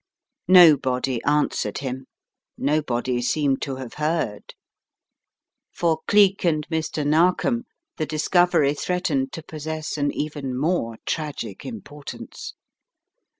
Nobody answered him. Nobody seemed to have heard. For Cleek and Mr. Narkom the discovery threatened to possess an even more tragic importance.